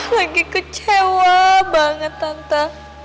lagi kecewa banget tante